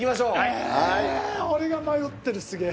えーっ俺が迷ってるすげえ。